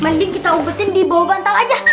mending kita ubutin dibawah bantal aja